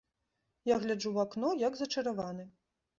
Я гляджу ў акно, як зачараваны.